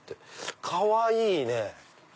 かわいいね！